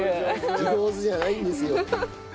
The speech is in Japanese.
上手じゃないんですよ。